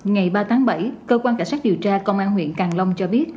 ngày ba tháng bảy cơ quan cảnh sát điều tra công an huyện càng long cho biết